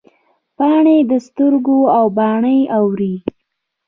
پاڼې د سترګو او باڼه یې اوري